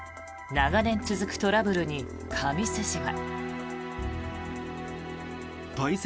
長年続くトラブルに神栖市は。